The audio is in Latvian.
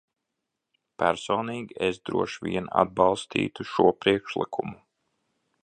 Personīgi es droši vien atbalstītu šo priekšlikumu.